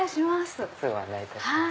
ご案内いたします